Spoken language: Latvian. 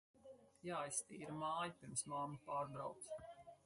Jāiztīra māja, pirms mamma pārbrauc.